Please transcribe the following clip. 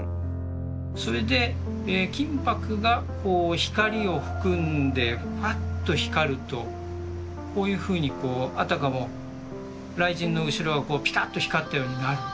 それで金ぱくがこう光を含んでフワッと光るとこういうふうにこうあたかも雷神の後ろがピカッと光ったようになる。